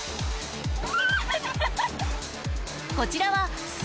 こちらはお！